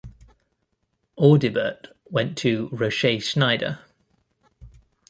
Audibert went to Rochet-Schneider.